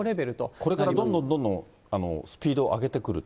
これからどんどんどんどんスピードを上げてくると？